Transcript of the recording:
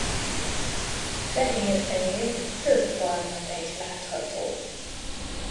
Fehér fején több barna petty látható.